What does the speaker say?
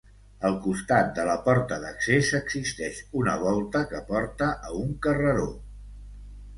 Al costat de la porta d'accés existeix una volta que porta a un carreró.